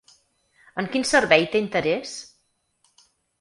En quin servei té interès?